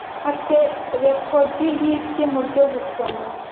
afite rekodi yisi mubyo Gusoma